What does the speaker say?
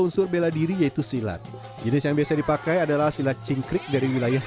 unsur bela diri yaitu silat jenis yang biasa dipakai adalah silat cingkrik dari wilayah